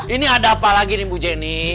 ini ada apa lagi ibu jenny